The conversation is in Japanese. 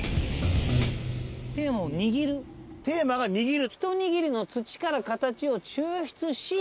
テーマが「にぎる」。